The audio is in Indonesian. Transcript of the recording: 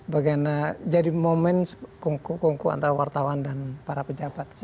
bagaimana jadi momen kongku antara wartawan dan para pejabat